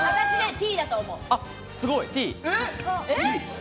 Ｔ。